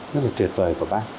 rất là tuyệt vời của bác